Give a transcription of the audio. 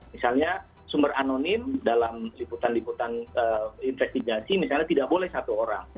misalnya sumber anonim dalam liputan liputan investigasi misalnya tidak boleh satu orang